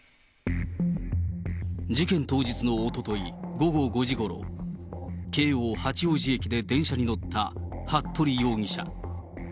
事件当日のおととい午後５時ごろ、京王八王子駅で電車に乗った服部容疑者。